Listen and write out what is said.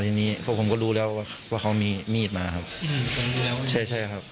ทีนี้พวกผมก็รู้แล้วว่าเขามีมีดมาครับใช่ใช่ครับ